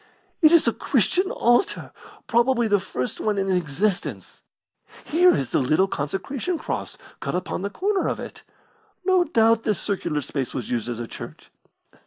"It is a Christian altar probably the first one in existence. Here is the little consecration cross cut upon the corner of it. No doubt this circular space was used as a church."